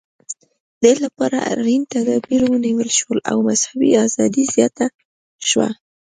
دې لپاره اړین تدابیر ونیول شول او مذهبي ازادي زیاته شوه.